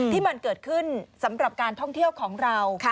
ที่มันเกิดขึ้นสำหรับการท่องเที่ยวของเรา